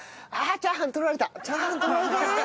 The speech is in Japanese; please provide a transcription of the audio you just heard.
チャーハン取られた。